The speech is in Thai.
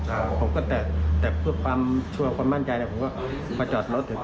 ผมก็แต่แต่เพื่อความชัวร์ความมั่นใจแล้วผมก็มาจอดรถถึง